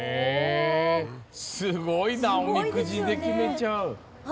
すごいな、おみくじで決めちゃう。